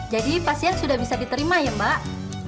jadi pasien sudah bisa diterima ya mbak